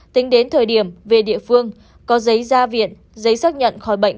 tính đến thời điểm về địa phương có giấy gia viện giấy xác nhận khỏi bệnh